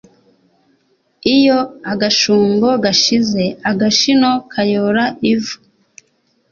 iyo agashungo gashize, agashino kayora ivu